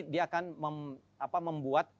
dia akan membuat